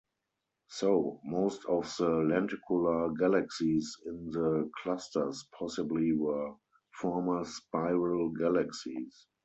So, most of the lenticular galaxies in the clusters possibly were former spiral galaxies.